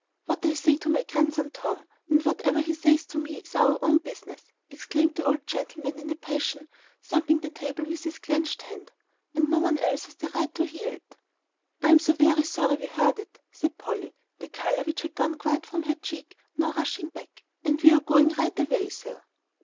"What I say to my grandson, Tom, and what he says to me, is our own business!" exclaimed the old gentleman in a passion, thumping the table with his clenched hand. "And no one else has a right to hear it." "I am so very sorry we heard it," said Polly, the colour which had quite gone from her cheek now rushing back. "And we are going right away, sir."